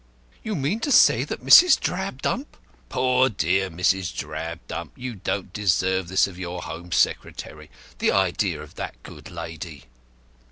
"You mean to say that Mrs. Drabdump !" "Poor dear Mrs. Drabdump, you don't deserve this of your Home Secretary! The idea of that good lady!"